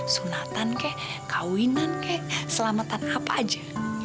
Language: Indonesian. sunatan kek kawinan kek selamatan apa aja